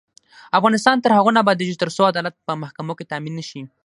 افغانستان تر هغو نه ابادیږي، ترڅو عدالت په محکمو کې تامین نشي.